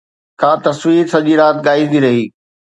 ڪا تصوير سڄي رات ڳائيندي رهي